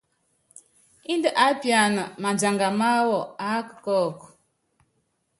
Índɛ aápiana madianga máwú aáka kɔ́ɔku.